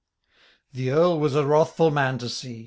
The Earl was a wrathful man to see.